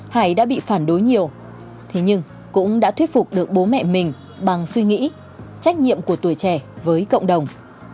hải đã bị phản đối nhiều thế nhưng cũng đã thuyết phục được bố mẹ mình bằng suy nghĩ trách nhiệm của tuổi trẻ với cộng đồng